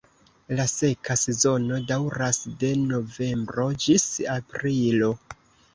La seka sezono daŭras de novembro ĝis aprilo.